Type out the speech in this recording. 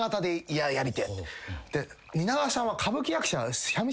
蜷川さんは。